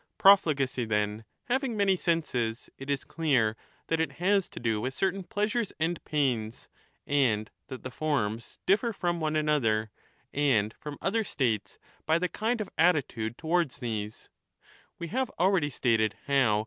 Profligacy, then, having many senses, it is clear that it has to do with certain pleasures and pains, 10 and that the forms differ from one another and from other states by the kind of attitude towards these; we have already stated how.